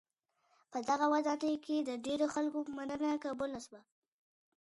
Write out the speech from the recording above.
په دغه ودانۍ کي د ډېرو خلکو مننه قبوله سوه.